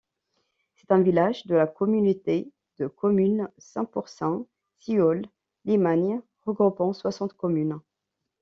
C'est un village de la communauté de communes Saint-Pourçain Sioule Limagne, regroupant soixante communes.